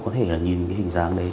có thể là nhìn cái hình dáng đấy